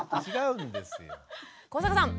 古坂さん。